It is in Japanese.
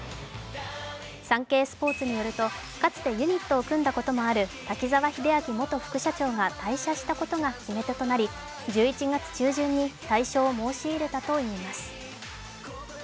「サンケイスポーツ」によると、かつてユニットを組んだことのある滝沢秀明元副社長が退社したことが決め手となり、１１月中旬に退所を申し入れたといいます。